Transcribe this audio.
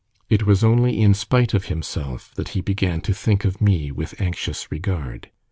It was only in spite of himself that he began to think of me with anxious regard.